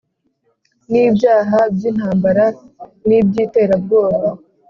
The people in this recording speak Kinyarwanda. n'ibyaha by'intambara n'iby'iterabwoba